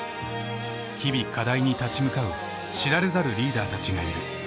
日々課題に立ち向かう知られざるリーダーたちがいる。